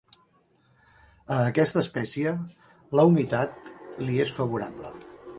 A aquesta espècie, la humitat li és favorable.